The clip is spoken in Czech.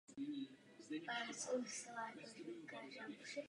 Jedná se o velmi důležitý a vážný problém.